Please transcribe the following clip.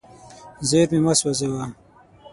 زیرمې مه سوځوه.